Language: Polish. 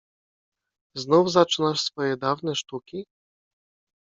Znów zaczynasz swoje dawne sztuki?